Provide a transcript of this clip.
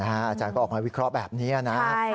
อาจารย์ก็ออกมาวิเคราะห์แบบนี้นะ